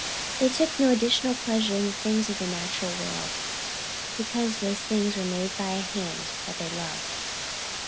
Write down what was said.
They took no additional pleasure in the things of the natural world, because those things were made by a Hand that they loved.